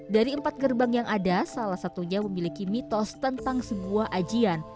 dari empat gerbang yang ada salah satunya memiliki mitos tentang sebuah ajian